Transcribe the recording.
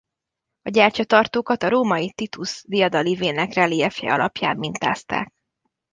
A gyertyatartókat a római Titus diadalívének reliefje alapján mintázták.